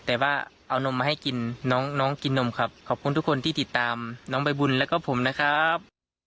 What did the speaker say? แต่ว่าเอานมมาให้กินน้องน้องกินนมครับขอบคุณทุกคนที่ติดตามน้องใบบุญแล้วก็ผมนะครับ